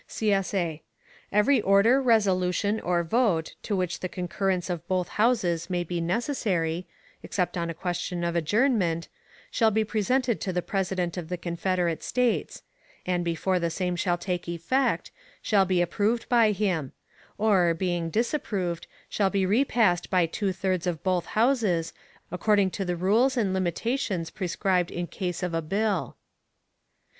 [CSA] Every order, resolution, or vote, to which the concurrence of both Houses may be necessary (except on a question of adjournment), shall be presented to the President of the Confederate States; and, before the same shall take effect, shall be approved by him; or, being disapproved, shall be repassed by two thirds of both Houses, according to the rules and limitations prescribed in case of a bill.